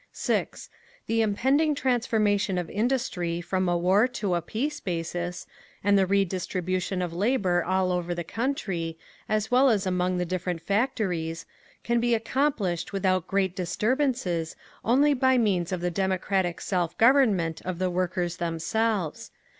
6. The impending transformation of industry from a war to a peace basis, and the redistribution of labour all over the country, as well as among the different factories, can be accomplished without great disturbances only by means of the democratic self government of the workers themselves….